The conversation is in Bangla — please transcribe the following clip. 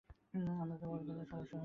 আমার বড় ধরনের কোন সমস্যা হয়েছে।